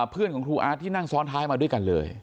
เพื่อนของครูอาร์ตที่นั่งซ้อนท้ายมาด้วยกันเลย